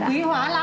quý hóa lắm